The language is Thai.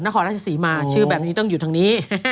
นครราชศรีมาชื่อแบบนี้ต้องอยู่ทางนี้